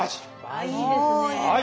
おいいですね。